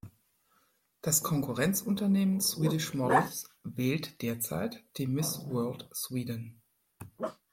Das Konkurrenzunternehmen "Swedish Models" wählt derzeit die Miss World Sweden.